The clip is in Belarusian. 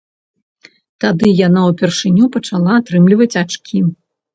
Тады яна ўпершыню пачала атрымліваць ачкі.